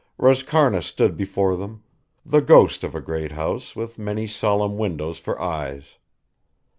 Roscarna stood before them, the ghost of a great house with many solemn windows for eyes.